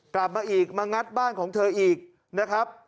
กลับมาอีกมางัดบ้านของเธออีกนะครับ